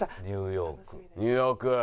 ニューヨーク。